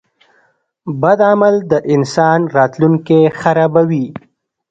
• بد عمل د انسان راتلونکی خرابوي.